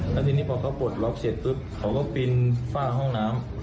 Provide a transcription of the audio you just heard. แล้วทีนี้พอเขาปลดล็อกเสร็จปุ๊บเขาก็ปีนฝ้าห้องน้ำ